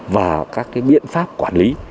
và các cái biện pháp quản lý